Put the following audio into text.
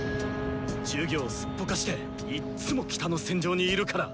授業すっぽかしていっつも北の戦場にいるから。